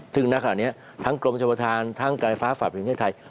ถึงณขณะนี้ทั้งกรมชมฐานทั้งกรฟฝ่าฝ่ายประเภทไทย